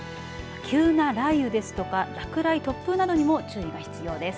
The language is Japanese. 急な雷雨ですとか落雷、突風などにも注意が必要です。